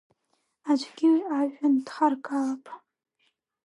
Аӡәгьы ажәҩан дхаргалап…